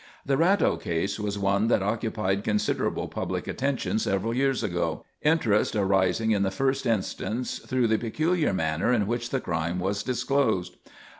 The Ratto case was one that occupied considerable public attention several years ago, interest arising in the first instance through the peculiar manner in which the crime was disclosed.